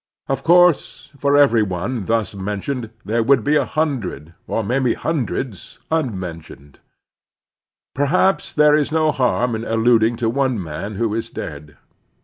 Of course, for every one thtis men tioned there would be a htindred, or many htm dreds, tmmentioned. Perhaps there is no harm in alluding to one man who is dead.